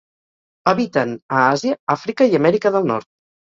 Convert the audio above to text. Habiten a Àsia, Àfrica i Amèrica del Nord.